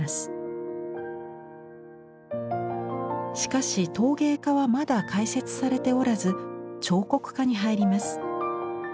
しかし陶芸科はまだ開設されておらず彫刻科に入ります。